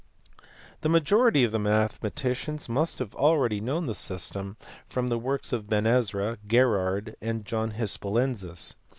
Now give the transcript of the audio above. The majority of mathematicians must have already known of the system from the works of Ben Ezra, Gerard, and John Hispalensis.